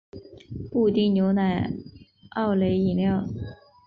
布丁牛奶欧蕾饮料